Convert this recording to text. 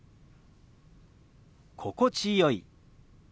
「心地よい」。